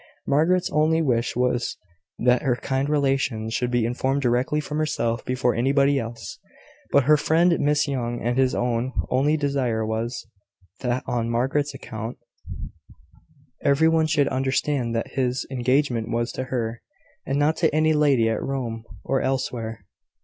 Margaret's only wish was, that her kind relations should be informed directly from herself before anybody else but her friend, Miss Young: and his own only desire was, that, on Margaret's account, every one should understand that his engagement was to her, and not to any lady at Rome or elsewhere.